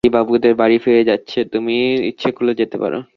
এই গাড়ি বাবুদের বাড়ি ফিরে যাচ্ছে, তুমি ইচ্ছে করলে যেতে পারো।